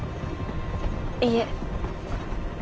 いいえ。